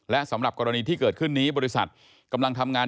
และสำหรับกรณีที่เกิดขึ้นนี้บริษัทกำลังทำงาน